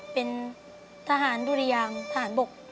เป็นทหารดุรยางทหารบก